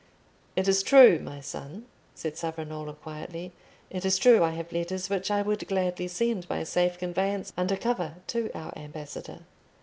"It is true, my son," said Savonarola, quietly,—"it is true I have letters which I would gladly send by safe conveyance under cover to our ambassador.